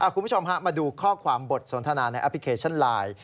คุณผู้ชมมาดูข้อความบทสนทนาในแอปพลิเคชันไลน์